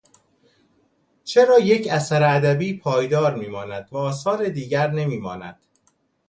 چرا یک اثر ادبی پایدار می ماند و آثار دیگر نمی ماند؟